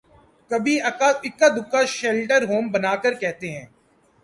کبھی اکا دکا شیلٹر ہوم بنا کر کہتے ہیں۔